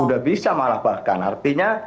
udah bisa malah bahkan artinya